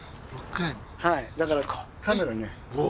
はいだからカメラね